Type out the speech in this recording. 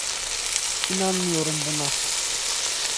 İnanamıyorum buna.